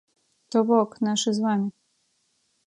То бок, нашы з вамі.